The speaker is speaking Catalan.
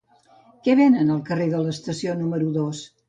Què venen al carrer de l'Estació número dos?